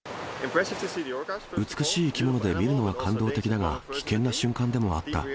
美しい生き物で見るのは感動的だが、危険な瞬間でもあった。